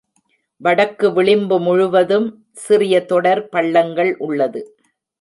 வடக்கு விளிம்பு முழுவதும் சிறிய தொடர் பள்ளங்கள் உள்ளது.